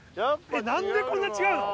何でこんな違うの？